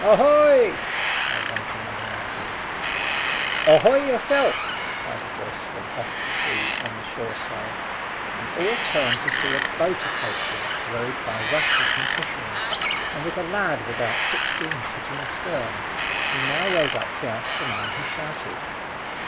"Ahoy!" cried one of the men loudly. "Ahoy yourself!" cried a voice from off the sea on the shore side, and all turned to see a boat approaching rowed by a rough looking fisherman, and with a lad of about sixteen sitting astern, who now rose up to answer the man who shouted.